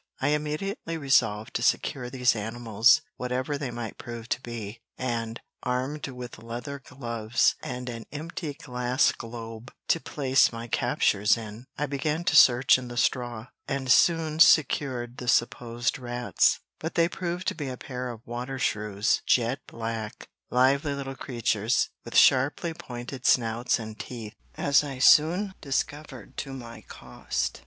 I immediately resolved to secure these animals, whatever they might prove to be, and, armed with leather gloves, and an empty glass globe to place my captures in, I began to search in the straw, and soon secured the supposed rats, but they proved to be a pair of water shrews jet black, lively little creatures, with sharply pointed snouts and teeth, as I soon discovered to my cost.